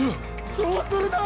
どうするだぁ！？